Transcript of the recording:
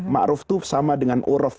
ma'ruf itu sama dengan uruf